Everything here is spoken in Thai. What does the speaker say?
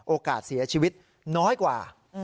โอกาสเสียชีวิตน้อยกว่า